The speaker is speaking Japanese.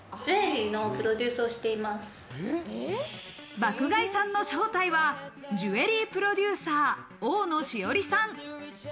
爆買いさんの正体はジュエリープロデューサー、大野詩織さん。